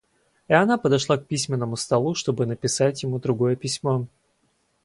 И она подошла к письменному столу, чтобы написать ему другое письмо.